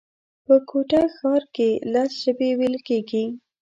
په کوټه ښار کښي لس ژبي ویل کېږي